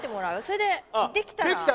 それでできたら。